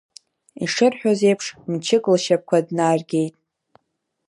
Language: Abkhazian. Ишырҳәоз еиԥш, мчык лшьапқәа днаргеит.